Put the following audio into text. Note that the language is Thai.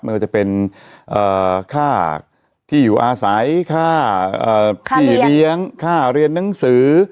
ไม่ว่าจะเป็นค่าที่อยู่อาศัยค่าพี่เลี้ยงค่าเรียนหนังสือ